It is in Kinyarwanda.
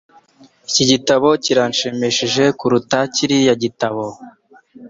Iki gitabo kirashimishije kuruta kiriya gitabo.